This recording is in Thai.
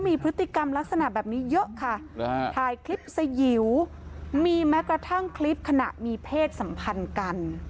มีพฤติกรรมลักษณะแบบนี้เยอะค่ะถ่ายคลิปสยิวมีแม้กระทั่งคลิปขณะมีเพศสัมพันธ์กัน